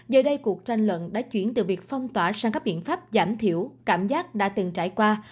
giờ đây cuộc tranh luận đã chuyển từ việc phong tỏa sang các biện pháp giảm thiểu cảm giác đã từng trải qua